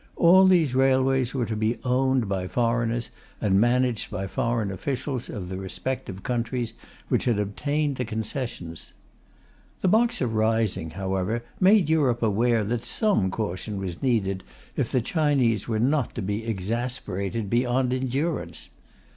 All these railways were to be owned by foreigners and managed by foreign officials of the respective countries which had obtained the concessions. The Boxer rising, however, made Europe aware that some caution was needed if the Chinese were not to be exasperated beyond endurance.